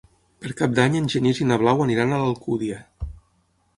Per Cap d'Any en Genís i na Blau aniran a l'Alcúdia.